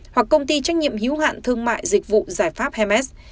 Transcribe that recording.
hoặc công ty trách nhiệm hữu hạn thương mại dịch vụ giải pháp hms